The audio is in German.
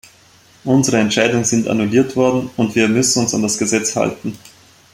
Unsere Entscheidungen sind annulliert worden, und wir müssen uns an das Gesetz halten.